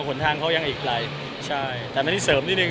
หนทางเขายังอีกไกลใช่แต่อันนี้เสริมนิดนึ